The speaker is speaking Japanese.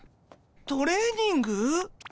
トレーニング？